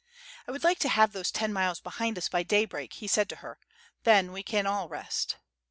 "I would like to have those ten miles behind us by day break," he said ta her, "then we can all rest."